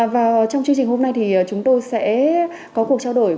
và trong chương trình hôm nay thì chúng tôi sẽ có cuộc trao đổi